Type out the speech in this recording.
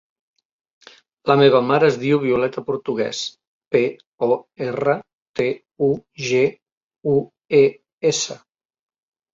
La meva mare es diu Violeta Portugues: pe, o, erra, te, u, ge, u, e, essa.